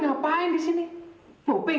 hai kalian ngapain di sini moping